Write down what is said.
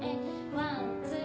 ワンツー。